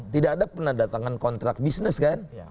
tidak ada penandatangan kontrak bisnis kan